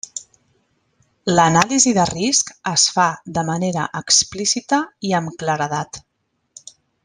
L'anàlisi de risc es fa de manera explícita i amb claredat.